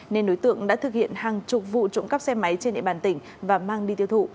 nên đối tượng đã thực hiện hàng chục vụ đề